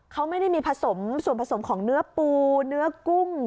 เขาไม่ได้มีผสมส่วนผสมของเนื้อปูเนื้อกุ้ง